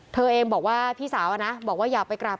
เธอเองบอกว่าพี่สาวนะบอกว่าอยากไปกราบ